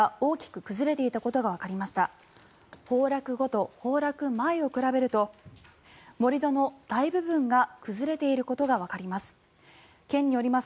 崩落後と崩落前を比べると盛り土の大部分が崩れていることがわかります。